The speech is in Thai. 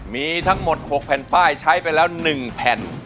มีทั้งหมด๖แผ่นป้ายใช้ไปแล้ว๑แผ่น